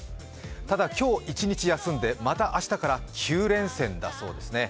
ただ、今日一日休んで、また明日から９連戦だそうですね。